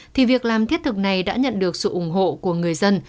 thì việc làm thiết thực này đã nhận được sự ủng hộ của người dân